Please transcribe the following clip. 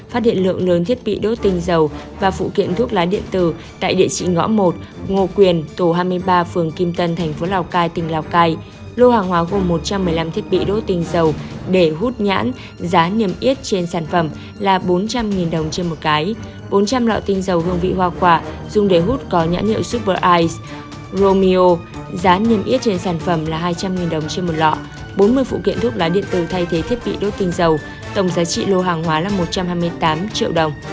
bốn mươi phụ kiện thuốc lá điện tử thay thế thiết bị đốt tinh dầu tổng giá trị lô hàng hóa là một trăm hai mươi tám triệu đồng